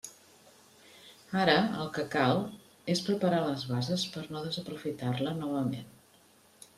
Ara, el que cal, és preparar les bases per a no desaprofitar-la, novament.